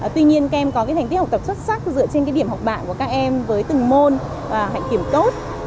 tuy nhiên kem có thành tích học tập xuất sắc dựa trên điểm học bạc của các em với từng môn hạnh kiểm tốt